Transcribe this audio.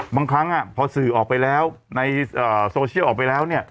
บางครั้งพอสื่อออกไปแล้วในโซเชียลออกไปแล้วเนี่ย